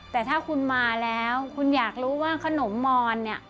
แต่ถ้าคุณมาแล้วคุณอยากรู้ว่าขนมมอนเนี่ย